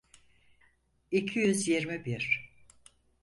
İki yüz yirmi bir.